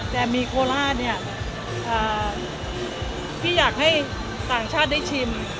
แต่มีโคราชเนี่ยพี่อยากให้ต่างชาติได้ชิม